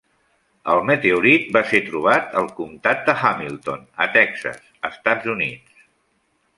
El meteorit va ser trobat al comtat de Hamilton, a Texas, Estats Units.